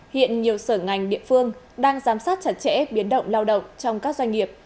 hiện nhiều sở ngành địa phương đang giám sát chặt chẽ biến động lao động trong các doanh nghiệp